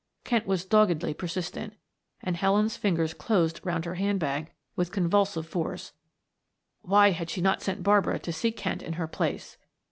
Kent was doggedly persistent, and Helen's fingers closed around her handbag with convulsive force. Why had she not sent Barbara to see Kent in her place?